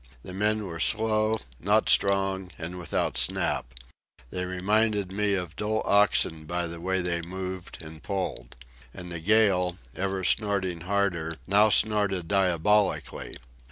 The men were slow, not strong, and without snap. They reminded me of dull oxen by the way they moved and pulled. And the gale, ever snorting harder, now snorted diabolically.